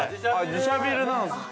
◆自社ビルなんですね。